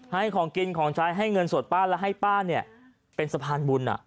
ให้ของกินของใช้ให้เงินสดป้าแล้วให้ป้าเนี่ยเป็นสะพานบุญ